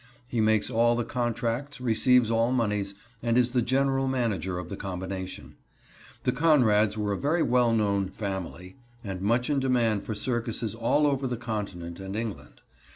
He makes all the contracts, receives all moneys, and is the general manager of the combination. The Conrads were a very well known "family" and much in demand for circuses all over the Continent and England.